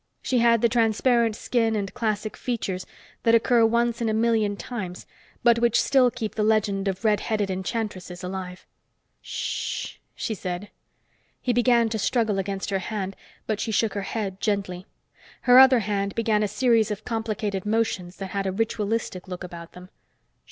She had the transparent skin and classic features that occur once in a million times but which still keep the legend of redheaded enchantresses alive. "Shh," she said. He began to struggle against her hand, but she shook her head gently. Her other hand began a series of complicated motions that had a ritualistic look about them.